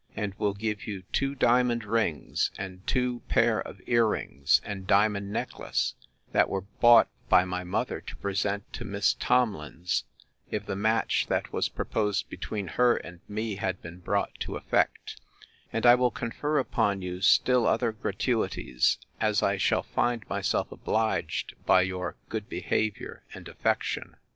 And will give you the two diamond rings, and two pair of ear rings, and diamond necklace, that were bought by my mother, to present to Miss Tomlins, if the match that was proposed between her and me had been brought to effect: and I will confer upon you still other gratuities, as I shall find myself obliged, by your good behaviour and affection.